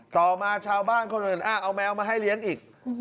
ต่อมาชาวบ้านคนอื่นเอาแมวมาให้เลี้ยงอีก